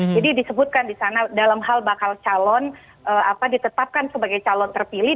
jadi disebutkan di sana dalam hal bakal calon ditetapkan sebagai calon terpilih